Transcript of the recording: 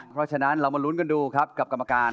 เพราะฉะนั้นเรามาลุ้นกันดูครับกับกรรมการ